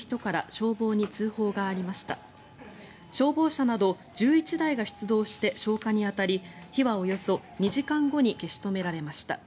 消防車など１１台が出動して消火に当たり火はおよそ２時間後に消し止められました。